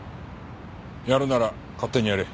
やるなら勝手にやれ。